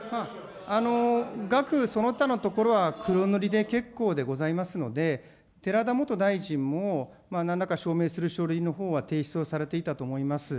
額その他のところは、黒塗りで結構でございますので、てらだ元大臣もなんらか証明する書類のほうは提出をされていたと思います。